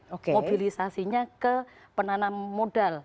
mobilisasinya ke penanam modal